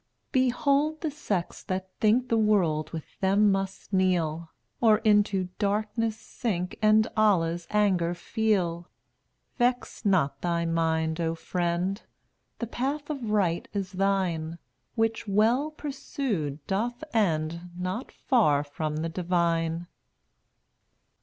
214 Behold the sects that think The world with them must kneel, Or into Darkness sink And Allah's anger feel. Vex not thy mind, O friend; The path of right is thine, Which, well pursued, doth end Not far from the Divine.